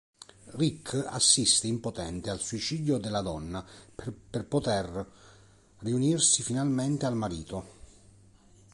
Rick assiste impotente al suicidio della donna per poter riunirsi finalmente al marito.